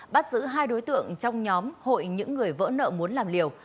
bắt giữ hai đối tượng trong nhóm hội những người vỡ nợ muốn làm liều